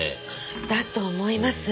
だと思います。